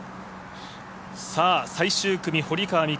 最終組、堀川未来